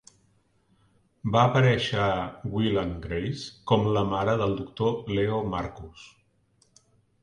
Va aparèixer a "Will and Grace" com la mare del Dr. Leo Markus.